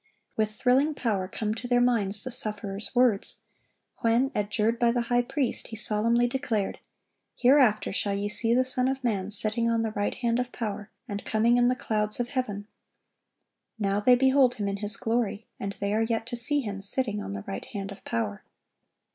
With thrilling power come to their minds the Sufferer's words, when, adjured by the high priest, He solemnly declared, "Hereafter shall ye see the Son of man sitting on the right hand of power, and coming in the clouds of heaven."(1112) Now they behold Him in His glory, and they are yet to see Him sitting on the right hand of power.